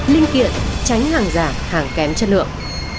linh kiện tránh hàng giả hàng kém chất lượng